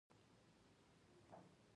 په کور کې مهرباني د خوشحالۍ راز دی.